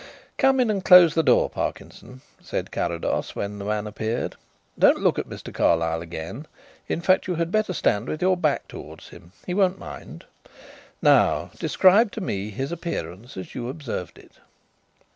"Come in and close the door, Parkinson," said Carrados when the man appeared. "Don't look at Mr. Carlyle again in fact, you had better stand with your back towards him, he won't mind. Now describe to me his appearance as you observed it."